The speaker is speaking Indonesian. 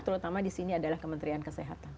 terutama di sini adalah kementerian kesehatan